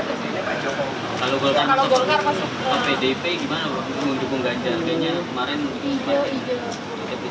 kalau golkar masuk ke pdp gimana